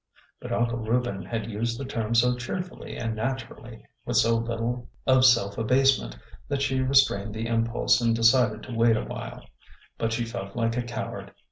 But Uncle Reuben had used the term so cheerfully and naturally, with so little of self abasement, that she re strained the impulse and decided to wait a while. But she felt like a coward.